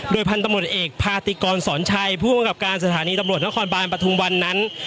พันธุ์ตำรวจเอกพาติกรสอนชัยผู้กำกับการสถานีตำรวจนครบานปฐุมวันนั้น